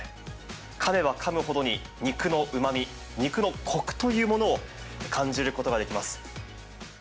かめばかむほどに、肉のうまみ、肉のこくというものを、感じることができます。